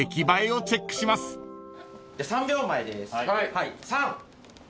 ３秒前です。